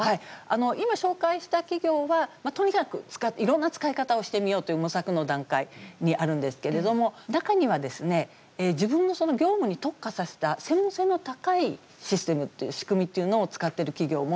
今紹介した企業はとにかくいろんな使い方をしてみようという模索の段階にあるんですけれども中には自分の業務に特化させた専門性の高いシステムっていう仕組みっていうのを使ってる企業もあるんですね。